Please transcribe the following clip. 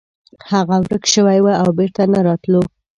هغه ورک شوی و او بیرته نه راتلو.